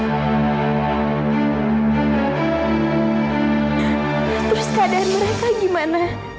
terus keadaan mereka gimana